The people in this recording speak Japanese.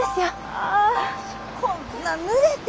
ああこんなぬれて。